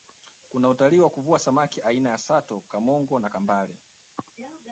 kuna utalii wa kuvua samaki aina ya sato kamongo na kambale